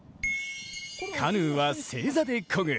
カヌーは正座でこぐ。